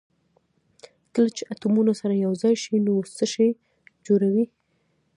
کله چې اتومونه سره یو ځای شي نو څه شی جوړوي